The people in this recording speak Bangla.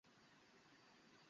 কি যা তা বলছো।